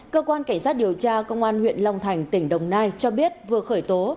cơ quan cảnh sát điều tra công an huyện long thành tỉnh đồng nai cho biết vừa khởi tố